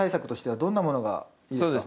どんなものがいいんですか？